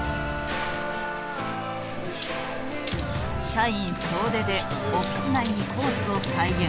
社員総出でオフィス内にコースを再現。